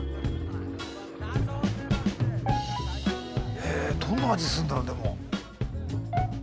へえどんな味すんだろうでも。